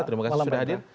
terima kasih sudah hadir